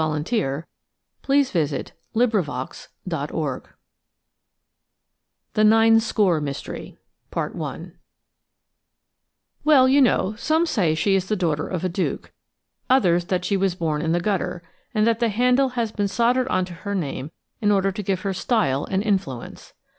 THE END 320 LADY MOLLY OFSCOTLAND YARD ITHE NINESCORE MYSTERY WELL, you know, some say she is the daughter of a duke, others that she was born in the gutter, and that the handle has been soldered on to her name in order to give her style and influence.